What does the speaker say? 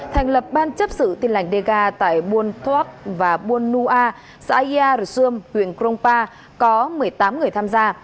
thành lập ban chấp xử tin lãnh dega tại buôn thuoc và buôn nu a xã yia rxum huyện krongpa có một mươi tám người tham gia